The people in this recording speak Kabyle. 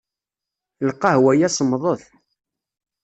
Lqahwa-ya semmḍet.